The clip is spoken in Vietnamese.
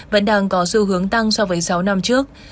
vẫn đang có xu hướng tăng so với sáu năm trước